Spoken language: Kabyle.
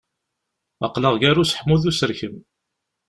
Aql-aɣ gar useḥmu d userkem.